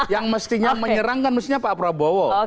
yang mestinya menyerangkan mestinya pak prabowo